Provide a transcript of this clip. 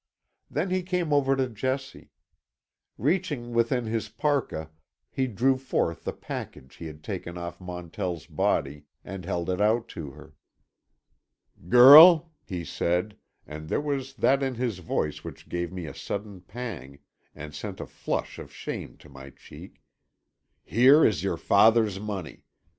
Then he came over to Jessie. Reaching within his parka he drew forth the package he had taken off Montell's body, and held it out to her. "Girl," he said, and there was that in his voice which gave me a sudden pang, and sent a flush of shame to my cheek, "here is your father's money.